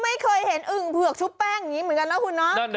ไม่เคยเห็นอึงเผือกชุปแป้งแบบนี้เหมือนกันนะคุณโน้กบ้า